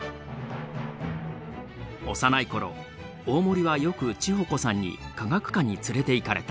幼い頃大森はよく智穂子さんに科学館に連れていかれた。